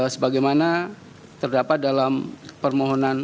sebagaimana terdapat dalam permohonan